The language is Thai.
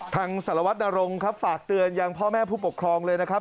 สารวัตนรงครับฝากเตือนยังพ่อแม่ผู้ปกครองเลยนะครับ